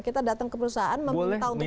kita datang ke perusahaan meminta untuk